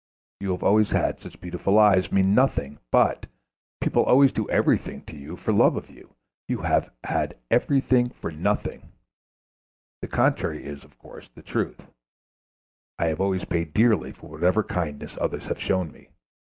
"You have always had such beautiful eyes," means nothing but "people always do everything to you for love of you; you have had everything for nothing." The contrary is, of course, the truth; I have always paid dearly for whatever kindness others have shown me.